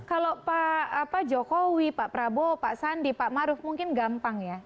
kalau pak jokowi pak prabowo pak sandi pak maruf mungkin gampang ya